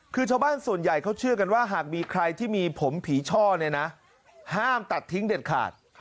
คือชาวบ้านส่วนใหญ่เขาเชื่อกันว่าหากมีใครที่มีผมผีช่อเนี่ยนะห้ามตัดทิ้งเด็ดขาด